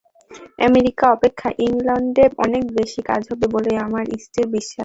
America অপেক্ষা ইংলণ্ডে অনেক বেশী কাজ হবে বলেই আমার স্থির বিশ্বাস।